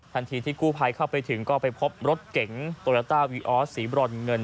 ทันทีที่กู้ภัยเข้าไปถึงก็ไปพบรถเก๋งโตโยต้าวีออสสีบรอนเงิน